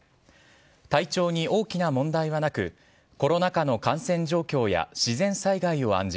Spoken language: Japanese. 体調に大きな問題はなくコロナ禍の感染状況や自然災害を案じ